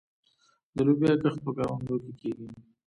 د لوبیا کښت په کروندو کې کیږي.